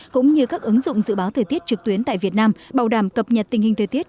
cũng như các ứng dụng dự báo thời tiết trực tuyến tại việt nam bảo đảm cập nhật tình hình thời tiết